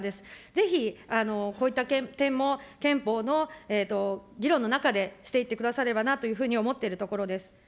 ぜひ、こういった点も憲法の議論の中でしていってくださればなと思っているところです。